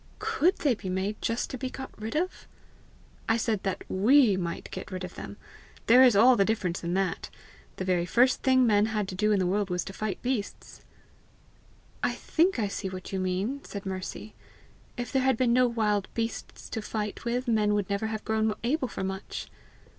"COULD they be made just to be got rid of?" "I said that WE might get rid of them: there is all the difference in that. The very first thing men had to do in the world was to fight beasts." "I think I see what you mean," said Mercy: "if there had been no wild beasts to fight with, men would never have grown able for much!"